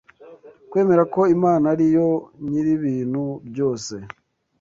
Kwemera ko Imana ari yo nyir’ibintu byose